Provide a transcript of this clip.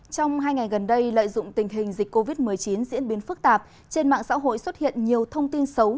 trong hai ngày gần đây lợi dụng tình hình dịch covid một mươi chín diễn biến phức tạp trên mạng xã hội xuất hiện nhiều thông tin xấu